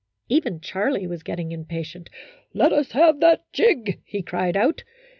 Even Charlie was getting impatient. "Let us have that jig," he cried out.